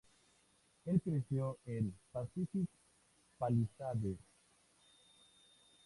Él creció en Pacific Palisades.